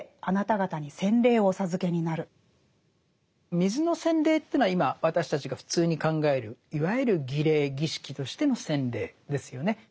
水の洗礼というのは今私たちが普通に考えるいわゆる儀礼儀式としての洗礼ですよね。